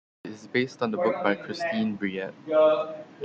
It is based on the book by Chrystine Brouillet.